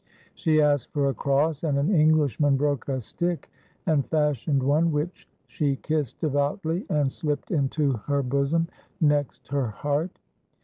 She asked for a cross, and an Englishman broke a stick and fashioned one which she kissed devoutly and slipped into her bosom next her heart.